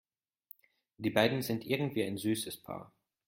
Die beiden sind irgendwie ein süßes Paar.